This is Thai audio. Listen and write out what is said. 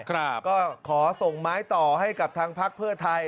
ก็ขอส่งไม้ต่อให้กับทางพักเพื่อไทย